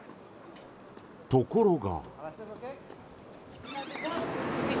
ところが。